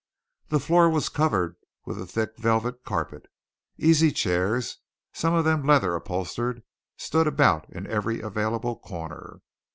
The floor was covered with a thick velvet carpet. Easy chairs, some of them leather upholstered, stood about in every available corner.